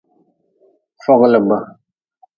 Foglb.